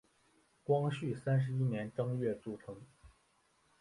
光绪三十一年正月组成。